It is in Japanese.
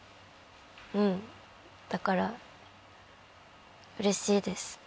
うんだからうれしいです。